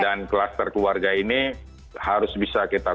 dan klaster keluarga ini harus bisa kita kontak